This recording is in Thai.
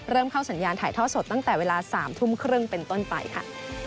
เริ่มเข้าสัญญาณถ่ายท่อสดตั้งแต่เวลา๓ทุ่มครึ่งเป็นต้นไปค่ะ